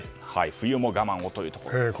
冬も我慢をということです。